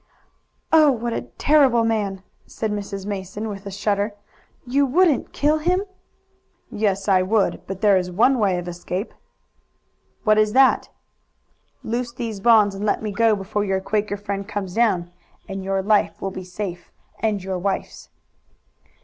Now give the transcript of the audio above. "Oh, what a terrible man!" said Mrs. Mason with a shudder. "You wouldn't kill him?" "Yes, I would. But there is one way of escape." "What is that?" "Loose these bonds and let me go before your Quaker friend comes down and your life will be safe, and your wife's."